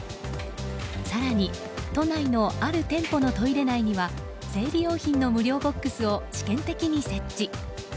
更に都内のある店舗のトイレ内には生理用品の無料ボックスを試験的に設置。